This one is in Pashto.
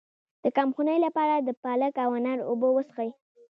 د کمخونۍ لپاره د پالک او انار اوبه وڅښئ